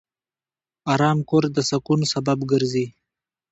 آرام کور د سکون سبب ګرځي.